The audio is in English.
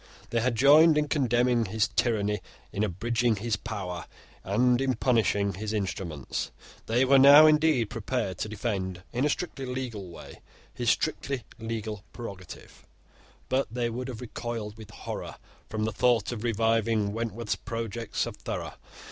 They had joined in condemning his tyranny, in abridging his power, and in punishing his instruments. They were now indeed prepared to defend in a strictly legal way his strictly legal prerogative; but they would have recoiled with horror from the thought of reviving Wentworth's projects of Thorough.